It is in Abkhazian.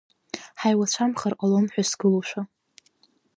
Ҳаиуацәамхар ҟалом ҳәа сгылоушәа!